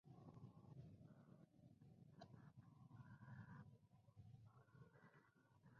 Su rango cronoestratigráfico abarcaba el Pleistoceno.